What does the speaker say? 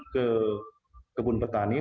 ke kebun petani